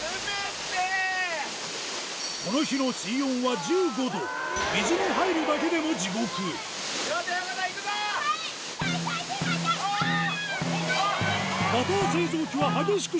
この日の水温は１５度水に入るだけでも地獄手が痛い！